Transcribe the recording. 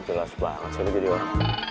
jelas banget sih ini jadi orang